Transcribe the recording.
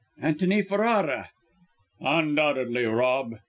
"Antony Ferrara!" "Undoubtedly, Rob!